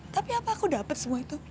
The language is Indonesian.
tapi apa aku dapat semua itu